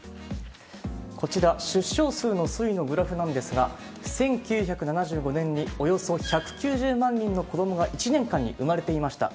こちら、出生数の推移のグラフなんですが、１９７５年におよそ１９０万人の子どもが１年間に生まれていました。